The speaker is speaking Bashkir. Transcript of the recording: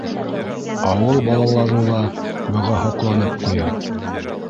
Ауыл балалары ла быға һоҡланып ҡуя: